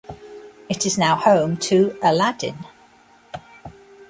It is now home to "Aladdin".